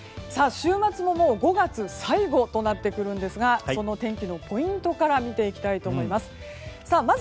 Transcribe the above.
週末も、もう５月最後となってくるんですがその天気のポイントから見ていきたいと思います。